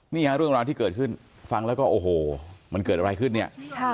นี่ฮะเรื่องราวที่เกิดขึ้นฟังแล้วก็โอ้โหมันเกิดอะไรขึ้นเนี่ย